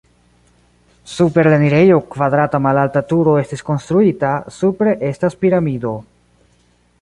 Super la enirejo kvadrata malalta turo estis konstruita, supre estas piramido.